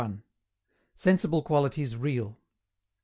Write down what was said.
SENSIBLE QUALITIES REAL.